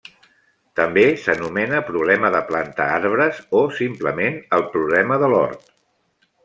També s'anomena problema de plantar arbres o simplement el problema de l'hort.